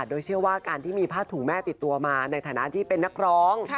โดยเชื่อว่าการที่มีผ้าถุงแม่ติดตัวมาในฐานะที่เป็นนักร้อง